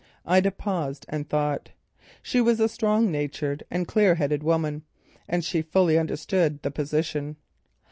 Ida paused, and thought. She was a strong natured and clear headed woman, and she fully understood the position.